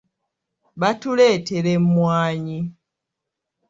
Batuletera emmwanyi.